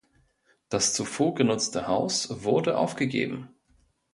Das zuvor genutzte Haus wurde aufgegeben.